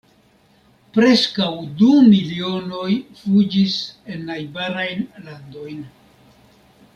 Preskaŭ du milionoj fuĝis en najbarajn landojn.